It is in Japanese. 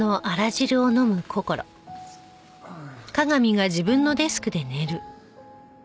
ああ。